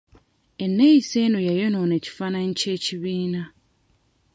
Enneyisa eno yayonoona ekifaananyi ky'ekibiina.